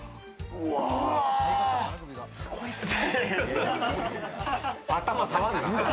うわ、すごいっすね。